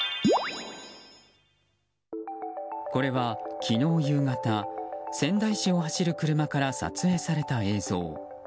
これは昨日夕方仙台市を走る車から撮影された映像。